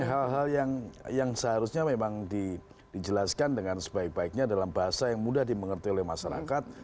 hal hal yang seharusnya memang dijelaskan dengan sebaik baiknya dalam bahasa yang mudah dimengerti oleh masyarakat